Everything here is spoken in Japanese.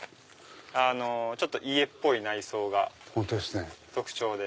ちょっと家っぽい内装が特徴で。